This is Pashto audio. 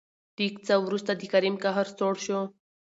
لېږ څه ورورسته د کريم قهر سوړ شو.